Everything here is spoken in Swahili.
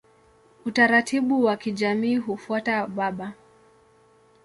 Utaratibu wa kijamii hufuata baba.